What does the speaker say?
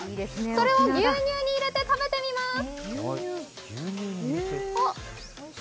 それを牛乳に入れて食べてみます。